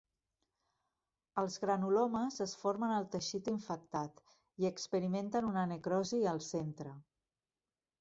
Els granulomes es formen al teixit infectat i experimenten una necrosi al centre.